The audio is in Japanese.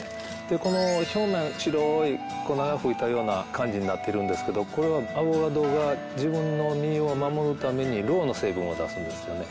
この表面白い粉が吹いたような感じになってるんですけどこれはアボカドが自分の身を守るためにロウの成分を出すんですよね。